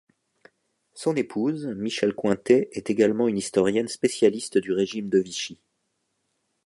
Son épouse, Michèle Cointet, est également une historienne spécialiste du régime de Vichy.